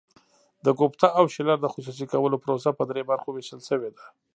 د ګوپټا او شیلر د خصوصي کولو پروسه په درې برخو ویشل شوې ده.